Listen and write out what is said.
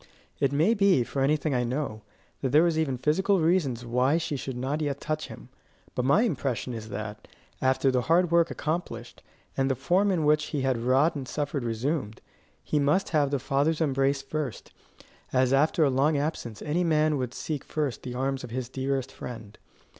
It may be, for anything I know, that there were even physical reasons why she should not yet touch him; but my impression is that, after the hard work accomplished, and the form in which he had wrought and suffered resumed, he must have the Father's embrace first, as after a long absence any man would seek first the arms of his dearest friend.